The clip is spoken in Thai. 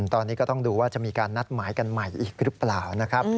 ตอนนี้ก็ต้องดูว่าจะมีการนัดหมายกันใหม่อีกหรือเปล่านะครับ